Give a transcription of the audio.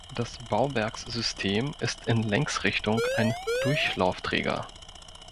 Das Bauwerkssystem ist in Längsrichtung ein Durchlaufträger.